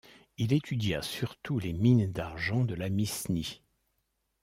Il étudia surtout les mines d'argent de la Misnie.